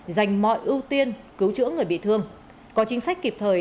dành mọi ưu tiên cứu chữa người bị thương có chính sách kịp thời